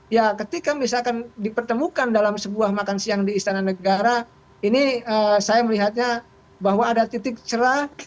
ya ketika misalkan dipertemukan dalam sebuah makan siang di istana negara ini saya melihatnya bahwa ada titik cerah